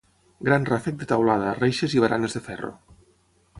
Gran ràfec de teulada, reixes i baranes de ferro.